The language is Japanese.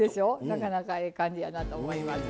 なかなかええ感じやなと思います。